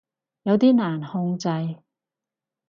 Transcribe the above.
有啲難控制